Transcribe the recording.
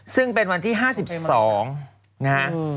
ซึ่งเป็นวันที่๕๒นะฮะ